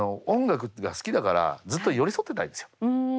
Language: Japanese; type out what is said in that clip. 音楽というのが好きだからずっと寄り添ってたいんですよ。